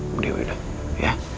bu dewi udah ya